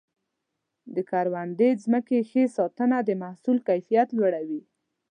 د کروندې ځمکې ښه ساتنه د محصول کیفیت لوړوي.